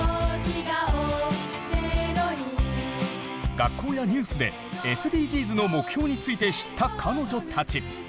学校やニュースでＳＤＧｓの目標について知った彼女たち。